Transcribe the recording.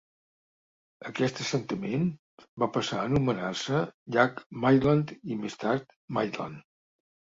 Aquest assentament va passar a anomenar-se Llac Maitland, i més tard Maitland.